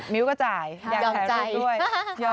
๒๐๒๐มิ้วก็จ่ายอยากถ่ายรูปด้วย